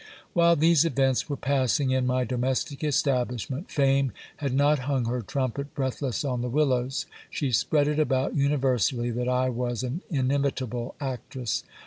While these events were passing in my domestic establishment, Fame had not hung her trumpet breathless on the willows ; she spread it about universally that I was an inimitable actress.